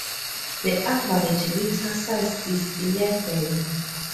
The average litter size is eleven.